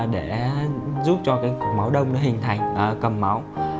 để giúp cho cái cục máu đông nó hình thành cầm máu